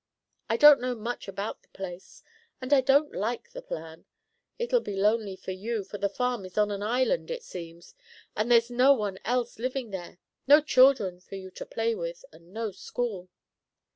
I don't know much about the place, and I don't like the plan. It'll be lonely for you, for the farm is on an island, it seems, and there's no one else living there, no children for you to play with, and no school.